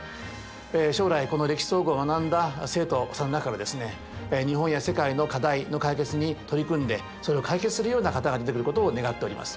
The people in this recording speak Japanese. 将来この「歴史総合」を学んだ生徒さんの中からですね日本や世界の課題の解決に取り組んでそれを解決するような方が出てくることを願っております。